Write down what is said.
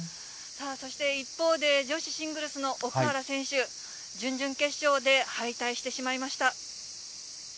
そして一方で、女子シングルスの奥原選手、準々決勝で敗退してしまいました。